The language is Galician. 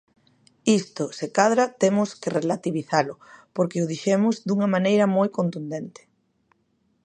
Isto se cadra temos que relativizalo porque o dixemos dunha maneira moi contundente.